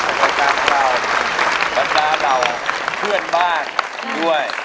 คนในกลางเราลันดาเราเพื่อนบ้านด้วย